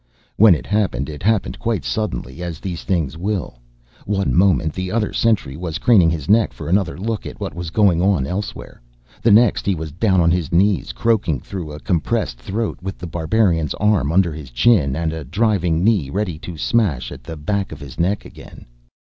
When it happened, it happened quite suddenly, as these things will. One moment the other sentry was craning his neck for another look at what was going on elsewhere. The next he was down on his knees, croaking through a compressed throat, with The Barbarian's arm under his chin and a driving knee ready to smash at the back of his neck again.